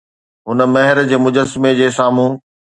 هن مهر جي مجسمي جي سامهون